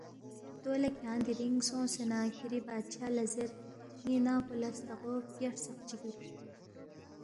دو لہ کھیانگ دِرِنگ سونگسے نہ کِھری بادشاہ لہ زیر، ن٘ی ننگ پو لہ ستاغو بگیا ہرژقچِک یود